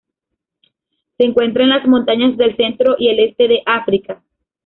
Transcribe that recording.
Se encuentra en las montañas del centro y el este de África.